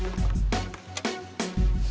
yaudah deh ya